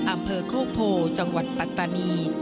อำเภอโคกโพจังหวัดปัตตานี